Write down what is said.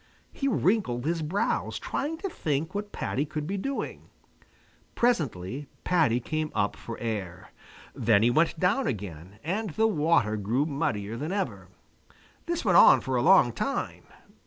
He wrinkled his brows trying to think what Paddy could be doing. Presently Paddy came up for air. Then he went down again, and the water grew muddier than ever. This went on for a long time.